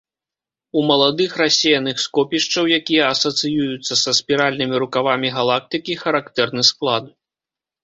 У маладых рассеяных скопішчаў, якія асацыююцца са спіральнымі рукавамі галактыкі, характэрны склад.